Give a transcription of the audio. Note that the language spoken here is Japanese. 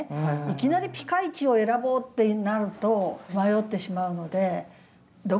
いきなりピカイチを選ぼうってなると迷ってしまうので。